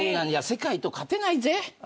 世界と勝てないぜ。